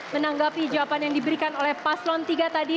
menanggapi jawaban yang diberikan oleh paslon tiga tadi